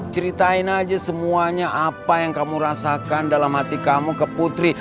ceritain aja semuanya apa yang kamu rasakan dalam hati kamu ke putri